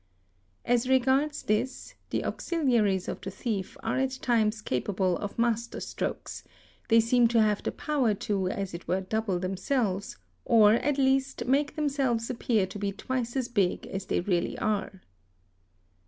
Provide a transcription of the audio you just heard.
As regards this, the auxiliaries of the thief are at times capable of master strokes, they seem to have the power to as it were double themselves, or, at least, make themselves appear to be twice as big as they really are.